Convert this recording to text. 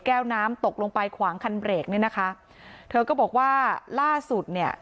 น้ำตกลงไปขวางคันเบรกเนี่ยนะคะเธอก็บอกว่าล่าสุดเนี่ย